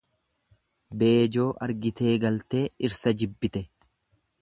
Beejoo argitee galtee dhirsa jibbite.